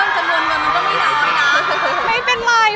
เออจำนวนเงินมันก็ไม่เท่าไหร่นะ